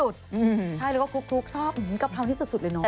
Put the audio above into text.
ใช่แล้วก็คลุกชอบกะเพราที่สุดเลยเนอ